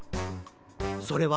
それは？